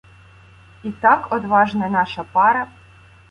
І так, одважна наша пара